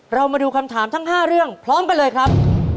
มาดูคำถามทั้ง๕เรื่องพร้อมกันเลยครับ